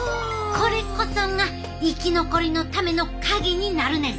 これこそが生き残りのためのカギになるねん。